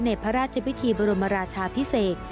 ในพระราชพิธีบรมราชาพิเศษ